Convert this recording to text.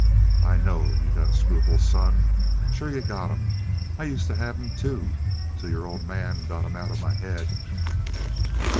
"I know. You got scruples, son. Sure you got 'em. I used to have 'em, too, till your old man got 'em out of my head."